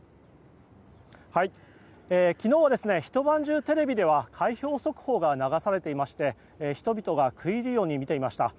昨日はひと晩中テレビでは開票速報が流されていまして人々が食い入るように見ていました。